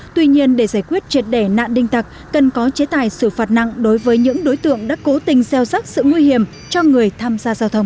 tuy nhiên để giải quyết triệt đẻ nạn đinh tặc cần có chế tài xử phạt nặng đối với những đối tượng đã cố tình gieo rắc sự nguy hiểm cho người tham gia giao thông